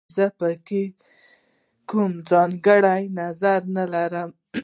زه په کې کوم ځانګړی نظر نه لرم